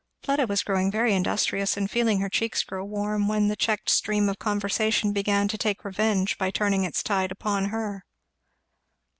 Fleda was growing very industrious and feeling her cheeks grow warm, when the checked stream of conversation began to take revenge by turning its tide upon her.